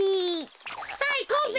さあいこうぜ！